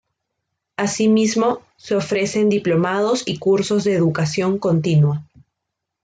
Asimismo, se ofrecen diplomados y cursos de educación continua.